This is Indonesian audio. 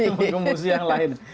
menggembosi yang lain